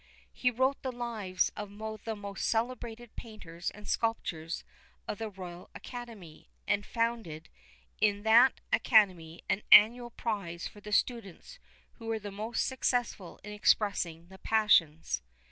He wrote the lives of the most celebrated painters and sculptors of the Royal Academy, and founded in that Academy an annual prize for the students who were most successful in expressing the passions.